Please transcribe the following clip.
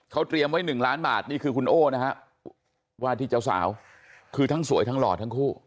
เขาเตรียมไว้๑ล้านบาทนี่คือคุณโอ้นะฮะว่าที่เจ้าสาวคือทั้งสวยทั้งหล่อทั้งคู่